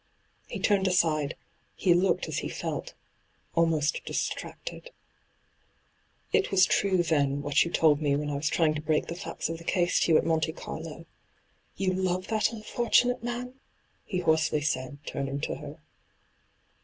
He turned aside ; he looked as he felt — almost distracted. ' It was true, then, what you told me when I was trying to break the facts of the case to you at Monte Carlo — you love that ENTRAPPED 239 unfortunate man ?' he hoarsely said, turning to her.